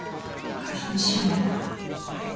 解散しよう